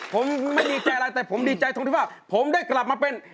ผมไม่ดีใจอะไรแต่ผมดีใจตรงที่ว่าผมได้กลับมาเป็น